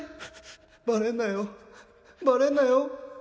バレんなよバレんなよ